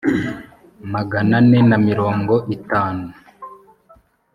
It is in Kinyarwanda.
magana ane na mirongo itanu